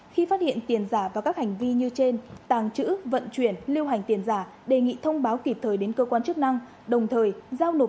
khi phát hiện tiền giả và các hành vi như trên tàng trữ vận chuyển lưu hành tiền giả